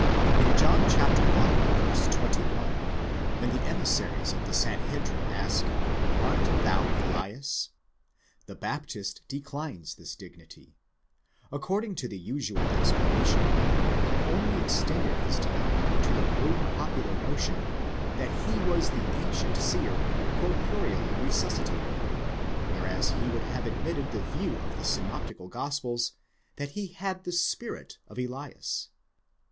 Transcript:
In John i. 21, when the emissaries of the Sanhedrim ask, " Art thou Elias?" the Baptist declines this dignity: according to the usual explanation, he only extended his denial to the rude popular notion, that he was the ancient seer corporeally resuscitated, whereas he would have admitted the view of the synoptical gospels, that he had the spirit of Elias.